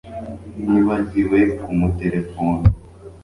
Nibagiwe kumuterefona